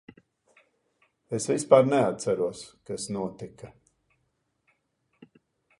Es vispār neatceros, kas notika.